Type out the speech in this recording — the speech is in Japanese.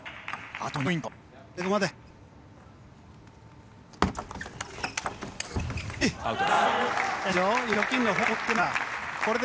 あと２ポイント。